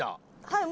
はい。